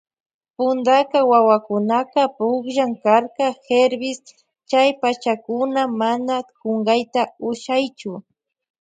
Puntaka wawakunaka punllan karka Hervis chay pachakuna mana kunkayta ushaychu.